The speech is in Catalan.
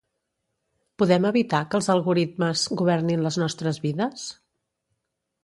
Podem evitar que els algoritmes governin les nostres vides?